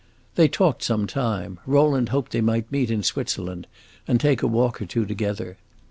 They talked some time; Rowland hoped they might meet in Switzerland, and take a walk or two together.